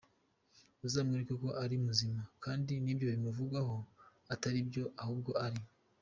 azamwereke ko ari muzima kandi nibyo bimuvugwaho Atari byo ahubwo ari.